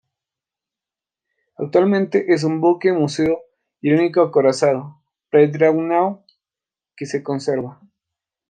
Actualmente es un buque museo y el único acorazado pre-dreadnought que se conserva.